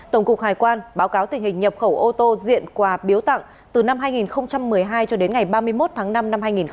tổng cục hải quan báo cáo tình hình nhập khẩu ô tô diện quà biếu tặng từ năm hai nghìn một mươi hai cho đến ngày ba mươi một tháng năm năm hai nghìn một mươi chín